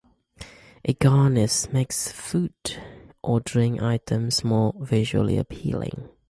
A garnish makes food or drink items more visually appealing.